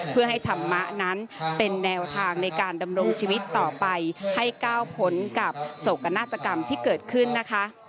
เพื่อให้ธรรมะนั้นเป็นแนวทางในการดำรงชีวิตต่อไปให้ก้าวพ้นกับโศกนาฏกรรมที่เกิดขึ้นนะคะ